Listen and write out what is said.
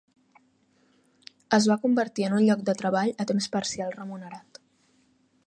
Es va convertir en un lloc de treball a temps parcial remunerat.